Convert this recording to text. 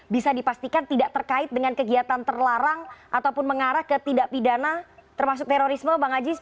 bisa dipastikan tidak terkait dengan kegiatan terlarang ataupun mengarah ke tidak pidana termasuk terorisme bang aziz